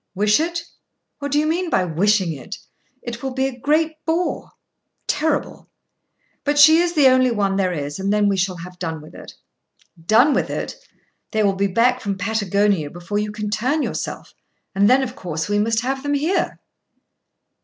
"Wish it? What do you mean by wishing it? It will be a great bore." "Terrible!" "But she is the only one there is, and then we shall have done with it." "Done with it! They will be back from Patagonia before you can turn yourself, and then of course we must have them here."